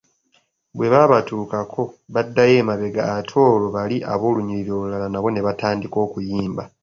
"Bwe babatuukako, baddayo emabega ate olwo bali ab’olunyiriri olulala nabo ne batandika okuyimba."